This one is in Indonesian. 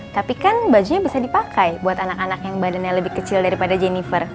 tapi kan bajunya bisa dipakai buat anak anak yang badannya lebih kecil daripada jennifer